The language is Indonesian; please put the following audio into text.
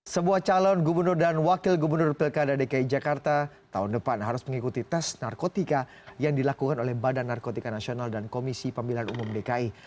sebuah calon gubernur dan wakil gubernur pilkada dki jakarta tahun depan harus mengikuti tes narkotika yang dilakukan oleh badan narkotika nasional dan komisi pemilihan umum dki